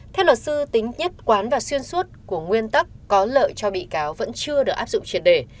theo luật sư tính nhất quán và xuyên suốt của nguyên tắc có lợi cho bị cáo vẫn chưa được áp dụng triệt đề